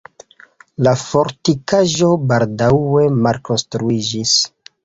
La fortikaĵo baldaŭe malkonstruiĝis.